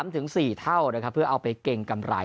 ถึง๔เท่านะครับเพื่อเอาไปเก่งกำไร